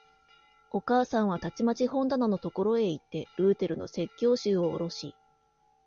お母さんはたちまち本棚のところへいって、ルーテルの説教集をおろし、